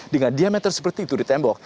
dengan diameter seperti itu di tembok